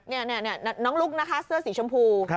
นี่น้องลุ๊กนะคะเสื้อสีชมพู